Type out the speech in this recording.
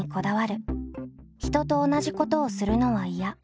人と同じことをするのはいや。